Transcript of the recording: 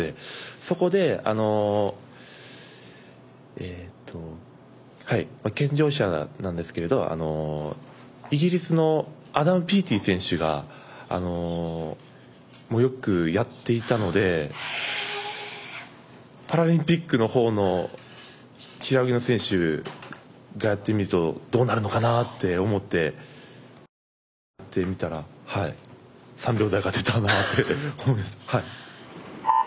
そこで健常者なんですがイギリスのアダム・ピーティー選手がよくやっていたのでパラリンピックのほうの平泳ぎの選手がやってみるとどうなるのかなと思って試しにやってみたら３秒台が出たなというところです。